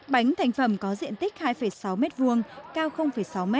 bánh thành phẩm có diện tích hai sáu m hai cao sáu m